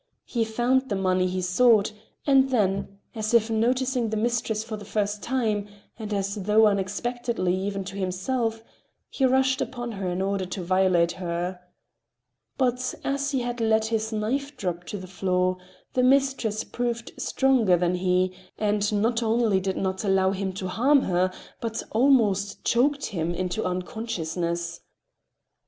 He found the money he sought, and then, as if noticing the mistress for the first time, and as though unexpectedly even to himself, he rushed upon her in order to violate her. But as he had let his knife drop to the floor, the mistress proved stronger than he, and not only did not allow him to harm her, but almost choked him into unconsciousness.